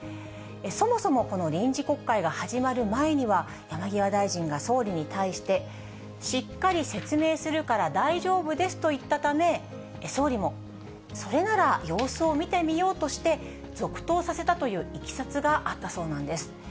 そもそもこの臨時国会が始まる前には、山際大臣が総理に対して、しっかり説明するから大丈夫ですと言ったため、総理も、それなら様子を見てみようとして続投させたといういきさつがあったそうなんです。